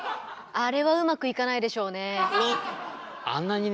あれはうまくいかないでしょうね。